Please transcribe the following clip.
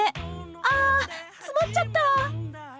あ詰まっちゃった！